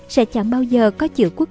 sẽ chẳng bao giờ có chữ quốc